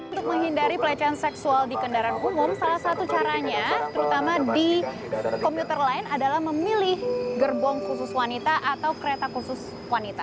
untuk menghindari pelecehan seksual di kendaraan umum salah satu caranya terutama di komuter lain adalah memilih gerbong khusus wanita atau kereta khusus wanita